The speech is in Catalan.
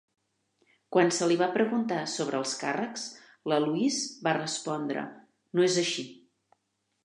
Quan se li va preguntar sobre els càrrecs, la Louise va respondre: "No és així".